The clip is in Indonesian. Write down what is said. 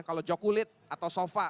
kalau jok kulit atau sofa